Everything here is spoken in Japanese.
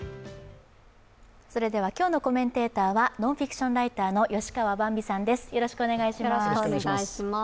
今日のコメンテーターはノンフィクションライターの吉川ばんびさんです。